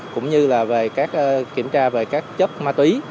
cũng như kiểm tra về các chất ma túy